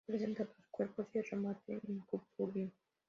Presenta dos cuerpo y el remate en cupulín.